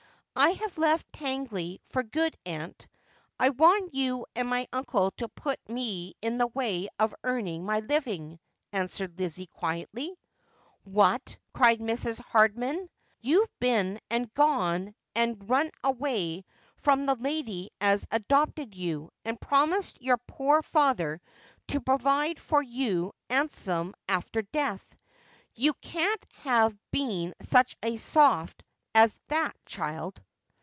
' I have left Tangley for good, aunt. I want you and my uncle to put me in the way of earning my living,' answered Lizzie quietly. 'What?' cried Mrs. Hardman. 'You've been and gone and In the Bosom of her Family. 327 run away from the lady as adopted you, and promised your poor father to provide for you 'andsome after her death. You can't have been such a soft as that, child.